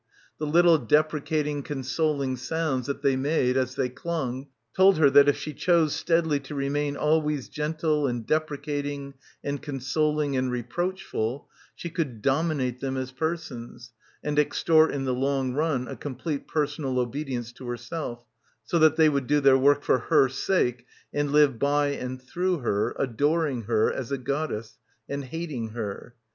The little deprecating consoling sounds that they made as they clung told her that if she chose steadily to remain always gentle and deprecating and con soling and reproachful she could dominate them as persons and extort in the long run a complete personal obedience to herself, so that they would do their work for her sake and live by and through her, adoring her — as a goddess — and hating her.